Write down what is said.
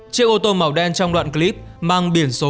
chiếc ô tô màu đen trong đoạn clip mang biển số